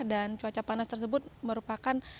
dan cuaca panas tersebut merupakan